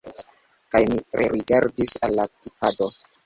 Kaj mi rerigardis al la Ipado.